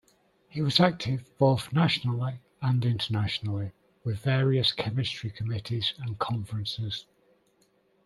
He was active both nationally and internationally with various chemistry committees and conferences.